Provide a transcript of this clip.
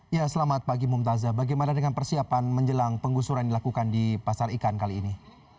ya selamat pagi mumtazah bagaimana dengan persiapan menjelang penggusuran dilakukan di pasar ikan kali ini